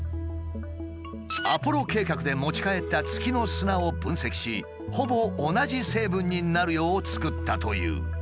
アポロ計画で持ち帰った月の砂を分析しほぼ同じ成分になるよう作ったという。